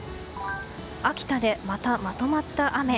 秋田でまた、まとまった雨。